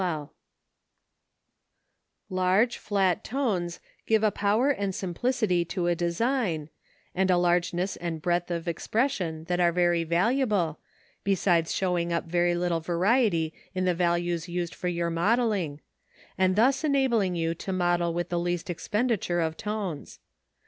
Photo Hanfstaengl] Large flat tones give a power and simplicity to a design, and a largeness and breadth of expression that are very valuable, besides showing up every little variety in the values used for your modelling; and thus enabling you to model with the least expenditure of tones.